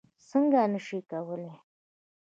څکه نه شي کولی.